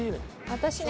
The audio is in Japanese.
私ね